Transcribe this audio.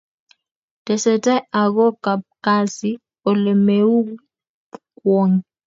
Tesetai ago kapkazi Ole moeku kwony